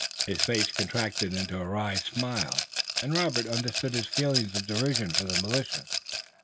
His face contracted into a wry smile, and Robert understood his feeling of derision for the militia.